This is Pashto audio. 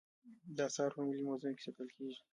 دا اثار په ملي موزیم کې ساتل کیدل